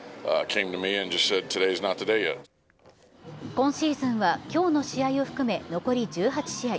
今シーズンはきょうの試合を含め、残り１８試合。